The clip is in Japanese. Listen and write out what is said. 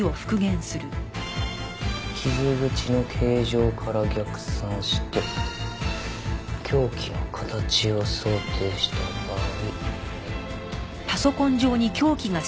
傷口の形状から逆算して凶器の形を想定した場合。